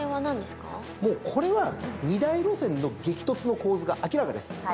もうこれは２大路線の激突の構図が明らかです。